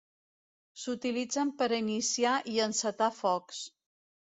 S'utilitzen per iniciar i encetar focs.